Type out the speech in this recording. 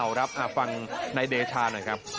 อ่าวครับมาฟังในไดชะหน่อยครับ